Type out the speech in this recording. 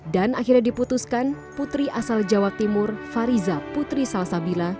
dan akhirnya diputuskan putri asal jawa timur fariza putri salsabila